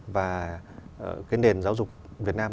và cái nền giáo dục việt nam